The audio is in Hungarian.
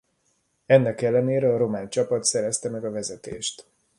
Ennek ellenére a román csapat szerezte meg a vezetést.